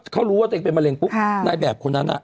เขารู้ว่าตัวเองเป็นมาเล่งได้แบบคนหน้าน่ะ